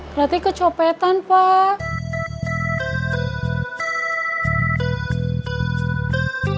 berarti kecopetan pak